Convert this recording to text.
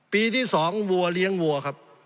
ปีที่๒วัวเลี้ยงวัวครับ